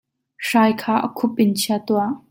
Hrai kha a khup in chia tuah.